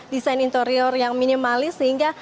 desain interior yang minimalis sehingga